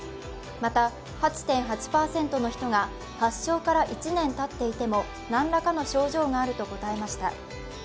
また８．８％の人が発症から１年たっていても何らかの症状があると答えました。